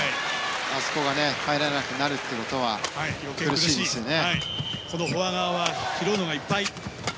あそこが入らなくなるということは苦しいですね。